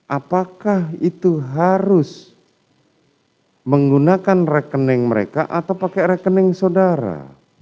apakah itu harus menggunakan rekening mereka atau pakai rekening saudara